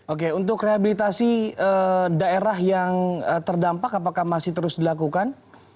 oke untuk rehabilitasi daerah yang terdampak apakah masih terus dilakukan